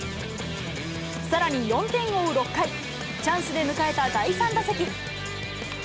さらに４点を追う６回、チャンスで迎えた第３打席。